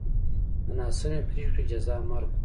د ناسمې پرېکړې جزا مرګ و